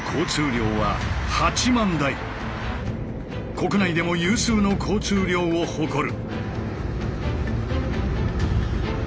国内でも有数の交通量を誇る。